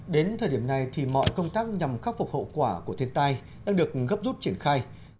đến thời điểm này thì mọi công tác nhằm khắc phục hậu quả của thiên tai đang được gấp rút triển khai